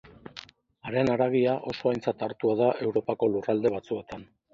Haren haragia oso aintzat hartua da Europako lurralde batzuetan.